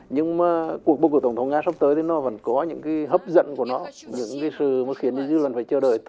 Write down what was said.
nhưng cuộc bầu cử tổng thống nga sắp tới thì nó vẫn có những hấp dẫn của nó những sự khiến dư luận phải chờ đợi